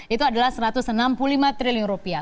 itu adalah satu ratus enam puluh lima triliun rupiah